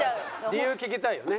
理由聞きたいよね。